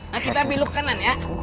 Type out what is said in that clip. nah kita beluk kanan ya